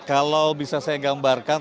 kalau bisa saya gambarkan